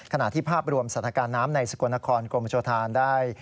ที่ภาพรวมสถานการณ์น้ำในสกลนครกรมโชธานได้